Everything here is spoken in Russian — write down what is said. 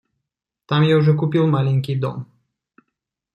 Там я уже купил маленький дом.